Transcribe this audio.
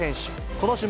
この種目、